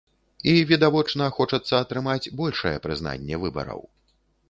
І, відавочна, хочацца атрымаць большае прызнанне выбараў.